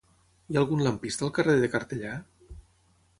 Hi ha algun lampista al carrer de Cartellà?